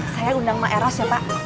saya undang mbak eros ya pak